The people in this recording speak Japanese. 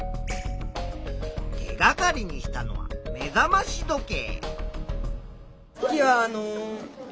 手がかりにしたのは目覚まし時計。